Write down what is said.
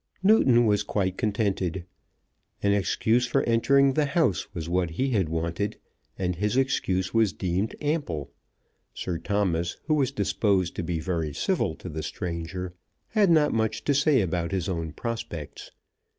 Newton was quite contented. An excuse for entering the house was what he had wanted, and his excuse was deemed ample. Sir Thomas, who was disposed to be very civil to the stranger, had not much to say about his own prospects.